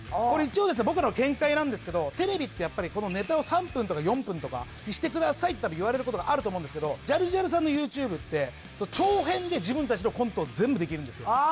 これ一応僕らの見解なんですけどテレビってやっぱりネタを３分とか４分とかにしてくださいって言われることがあると思うんですけどジャルジャルさんのＹｏｕＴｕｂｅって長編で自分たちのコントを全部できるんですよ